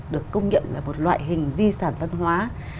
được công nhận là một loại hình di sản văn hóa